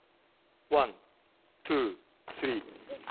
ワンツースリー。